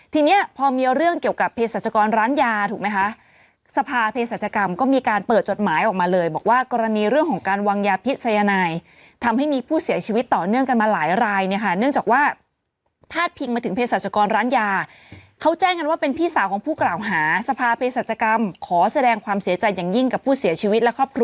ทีนี้พอมีเรื่องเกี่ยวกับเพศรัชกรร้านยาถูกไหมคะสภาเพศรัชกรรมก็มีการเปิดจดหมายออกมาเลยบอกว่ากรณีเรื่องของการวางยาพิษยนายทำให้มีผู้เสียชีวิตต่อเนื่องกันมาหลายรายเนี่ยค่ะเนื่องจากว่าพาดพิงมาถึงเพศรัชกรร้านยาเขาแจ้งกันว่าเป็นพี่สาวของผู้กล่าวหาสภาเพศรัชกรรมขอแสดงความเสียใจอย่างยิ่งกับผู้เสียชีวิตและครอบครัว